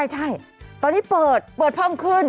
ใช่ตอนนี้เปิดเปิดเพิ่มขึ้น